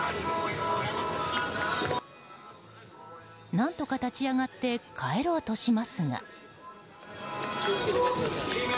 何とか立ち上がって帰ろうとしますが。